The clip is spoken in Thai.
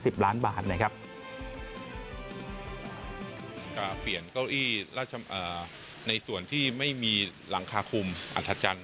เปลี่ยนเก้าอี้ในส่วนที่ไม่มีหลังคาคุมอัฐจันท